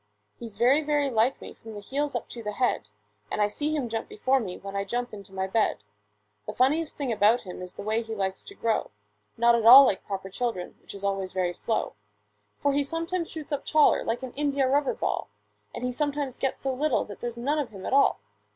He is very, very like me from the heels up to the head; And I see him jump before me, when I jump into my bed. The funniest thing about him is the way he likes to grow— Not at all like proper children, which is always very slow; For he sometimes shoots up taller like an india rubber ball, And he sometimes gets so little that there's none of him at all.